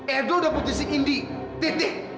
edo udah putusin di titik